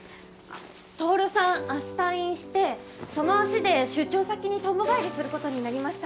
トオルさん明日退院してその足で出張先にとんぼ返りすることになりました。